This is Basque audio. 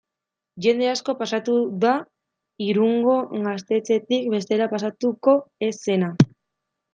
Jende asko pasatu da Irungo gaztetxetik bestela pasatuko ez zena.